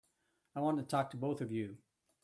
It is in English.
I want to talk to both of you.